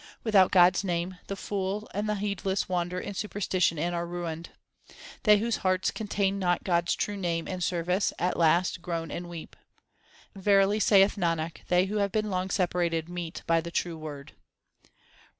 Without God s name the fools and the heedless wander in superstition and are ruined. They whose hearts contain not God s true name and service, at last groan and weep. Verily, saith Nanak, they who have been long separated meet by the True Word.